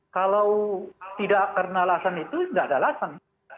kalau tidak karena alasan itu tidak ada alasan